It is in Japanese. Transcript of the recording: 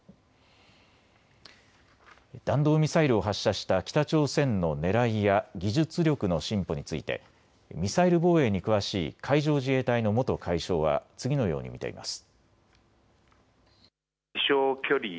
弾道ミサイルを発射した北朝鮮のねらいや技術力の進歩について、ミサイル防衛に詳しい海上自衛隊の元海将は、次のように見ています。